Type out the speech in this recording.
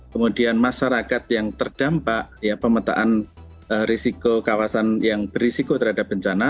kemudian masyarakat yang terdampak ya pemetaan risiko kawasan yang berisiko terhadap bencana